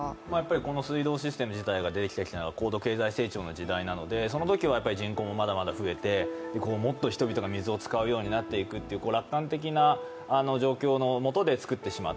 この水道システム自体ができてきたのは高度成長期時代なのでそのときは人口もまだまだ増えてもっと人々が水を使うようになっていくと、楽観的な状況のもとで作ってしまった。